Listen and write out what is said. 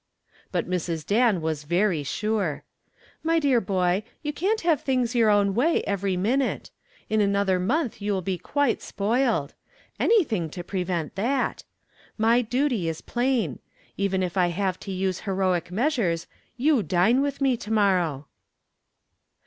But Mrs. Dan was very sure. "My dear boy, you can't have things your own way every minute. In another month you will be quite spoiled. Anything to prevent that. My duty is plain. Even if I have to use heroic measures, you dine with me to morrow."